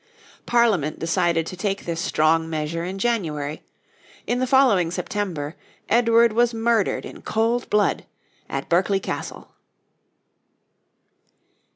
Parliament decided to take this strong measure in January; in the following September Edward was murdered in cold blood at Berkeley Castle.